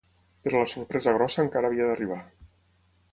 Però la sorpresa grossa encara havia d’arribar.